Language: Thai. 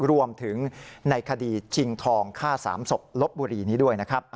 รวมถึงในคดีชิงทองฆ่า๓ศพลบบุรีนี้ด้วยนะครับ